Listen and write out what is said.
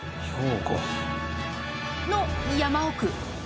の山奥